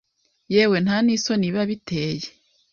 yewe ntanisoni biba biteye